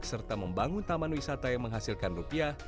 serta membangun taman wisata yang menghasilkan rupiah